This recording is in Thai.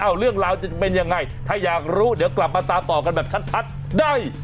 เอาเรื่องราวจะเป็นยังไงถ้าอยากรู้เดี๋ยวกลับมาตามต่อกันแบบชัดได้